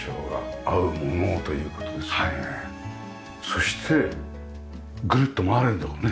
そしてぐるっと回れるんだもんね。